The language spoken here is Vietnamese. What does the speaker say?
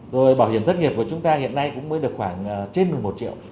rồi bảo hiểm thất nghiệp của chúng ta hiện nay cũng mới được khoảng trên một mươi một triệu